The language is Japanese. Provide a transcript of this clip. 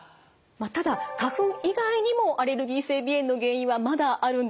ただ花粉以外にもアレルギー性鼻炎の原因はまだあるんです。